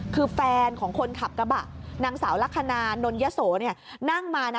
คือแฟนของคนขับกระบะนางสาวลักษณะนนยโสเนี่ยนั่งมานะ